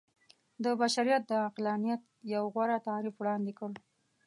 د بشريت د عقلانيت يو غوره تعريف وړاندې کړ.